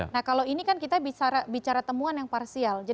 nah kalau ini kan kita bicara temuan yang parsial